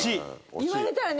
言われたらね。